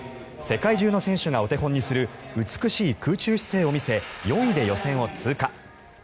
世界中の選手がお手本にする美しい空中姿勢を見せ４位で予選を通過。